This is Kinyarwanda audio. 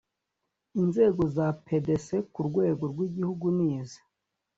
inzego za pdc ku rwego rw igihugu ni izi